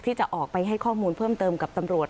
ที่จะออกไปให้ข้อมูลเพิ่มเติมกับตำรวจ